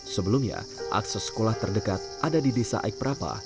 sebelumnya akses sekolah terdekat ada di desa aikprapa